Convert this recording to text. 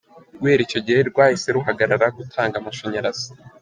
Guhera icyo gihe rwahise ruhagarara gutanga amashanyzrazi.